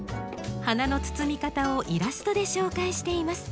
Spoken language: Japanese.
花の包み方をイラストで紹介しています。